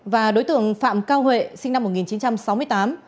và đối tượng phạm cao huệ sinh năm một nghìn chín trăm sáu mươi tám